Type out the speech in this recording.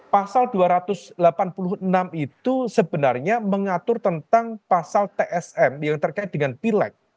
pasal dua ratus delapan puluh enam itu sebenarnya mengatur tentang pasal tsm yang terkait dengan pileg